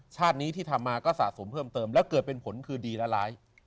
ชาตินี้ที่ทำมาก็สะสมเพิ่มเติมแล้วเกิดเป็นผลคือดีและร้าย